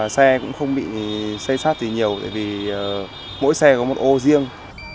xe cũng không bị xây sát gì nhiều tại vì mỗi xe có một ô riêng